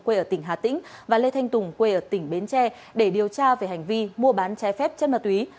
quê ở tỉnh hà tĩnh và lê thanh tùng quê ở tỉnh bến tre để điều tra về hành vi mua bán trái phép chất ma túy